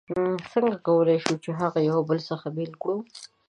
څنګه کولای شو چې هغه یو له بل څخه بېل کړو؟